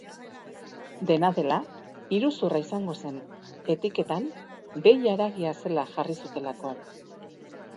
Dena dela, iruzurra izango zen, etiketan behi haragia zela jarri zutelako.